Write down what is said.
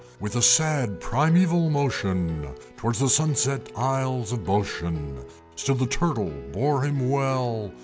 With a sad primaeval motion Towards the sunset isles of Boshen Still the Turtle bore him well.